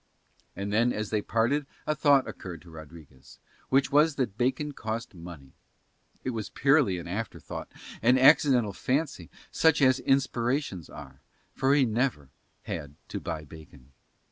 And then as they parted a thought occurred to Rodriguez, which was that bacon cost money. It was purely an afterthought, an accidental fancy, such as inspirations are, for he had never had to buy bacon.